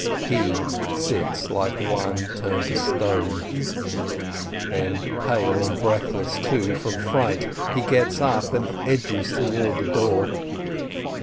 He sits like one turned to stone. Then, pale and breathless, too, from fright, he gets up and edges toward the door.